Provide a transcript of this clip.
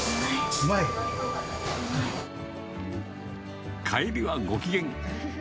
うまい？帰りはご機嫌。